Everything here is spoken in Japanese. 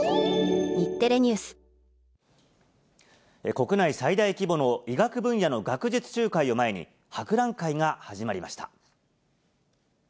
国内最大規模の医学分野の学術集会を前に、博覧会が始まりました。